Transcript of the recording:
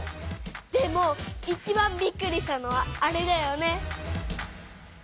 でもいちばんびっくりしたのはあれだよね。